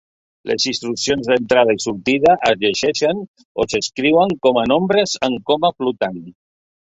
Les instruccions d'entrada i sortida es llegeixen o s'escriuen com a nombres en coma flotant.